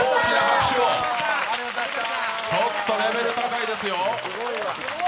ちょっとレベル高いですよ。